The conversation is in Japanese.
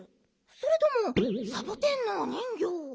それともサボテンのおにんぎょう。